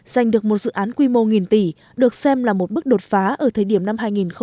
giành được một dự án quy mô nghìn tỷ được xem là một bước đột phá ở thời điểm năm hai nghìn một mươi năm